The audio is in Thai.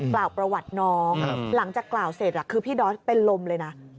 กล่าวประวัติน้องหลังจากกล่าวเสร็จคือพี่ดอสเป็นลมเลยนะ